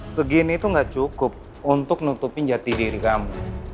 segini itu gak cukup untuk nutupin jati diri kamu